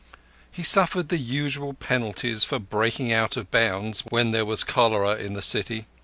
He suffered the usual penalties for breaking out of bounds when there was cholera in the city.